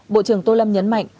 bộ trưởng tô lâm nhấn mạnh